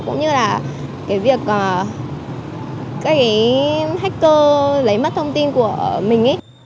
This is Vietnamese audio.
cũng như là cái việc các cái hacker lấy mất thông tin của mình ấy